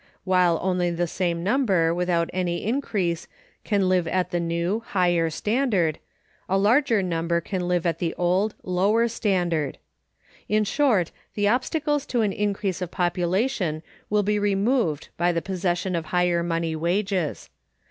While only the same number, without any increase, can live at the new (higher) standard, a larger number can live at the old (lower) standard. In short, the obstacles to an increase of population will be removed by the possession of higher money wages.